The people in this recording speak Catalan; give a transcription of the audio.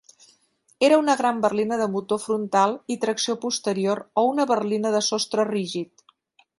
Era una gran berlina de motor frontal i tracció posterior o una berlina de sostre rígid.